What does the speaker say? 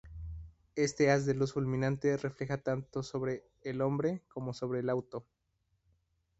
Este haz de luz fulminante refleja tanto sobre el hombre como sobre el auto.